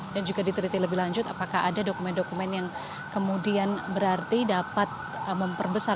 dan juga diteriti lebih lanjut apakah ada dokumen dokumen yang kemudian berarti dapat memperbesar